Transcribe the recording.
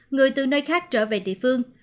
người từ nơi khác trở về địa phương